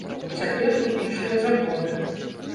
Цяпер тут іншыя законы.